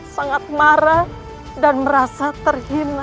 sangat marah dan merasa terhina